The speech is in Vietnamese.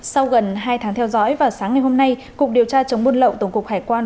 sau gần hai tháng theo dõi vào sáng ngày hôm nay cục điều tra chống buôn lậu tổng cục hải quan